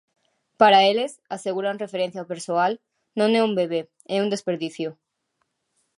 "Para eles", asegura en referencia ao persoal, "non é un bebé, é un desperdicio".